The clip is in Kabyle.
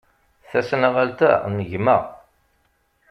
Tasnasɣalt-a n gma.